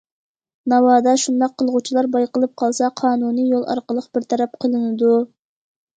ناۋادا شۇنداق قىلغۇچىلار بايقىلىپ قالسا، قانۇنىي يول ئارقىلىق بىر تەرەپ قىلىنىدۇ.